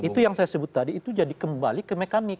itu yang saya sebut tadi itu jadi kembali ke mekanik